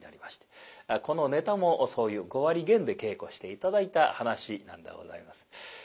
このネタもそういう５割減で稽古して頂いた噺なんでございます。